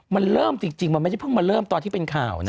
มันเริ่มจริงมันไม่ได้เพิ่งมาเริ่มตอนที่เป็นข่าวนะ